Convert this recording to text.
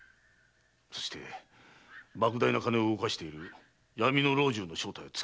そして莫大な金を動かしている「闇の老中」の正体を掴みたい。